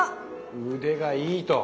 腕がいいと。